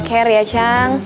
jusa kala ker ya cang